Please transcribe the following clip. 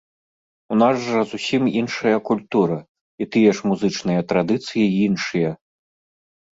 У нас жа зусім іншая культура, і тыя ж музычныя традыцыі іншыя!